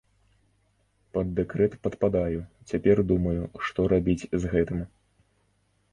Пад дэкрэт падпадаю, цяпер думаю, што рабіць з гэтым.